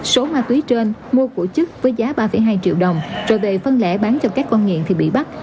số ma túy trên mua của chức với giá ba hai triệu đồng rồi về phân lẻ bán cho các con nghiện thì bị bắt